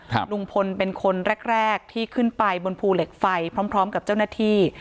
ลุงพลเป็นคนแรกแรกที่ขึ้นไปบนภูเหล็กไฟพร้อมพร้อมกับเจ้าหน้าที่